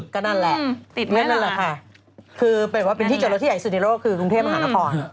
คือเป็นที่เจราที่ใหญ่สุดในโลกคือกรุงเทพฯมหานคร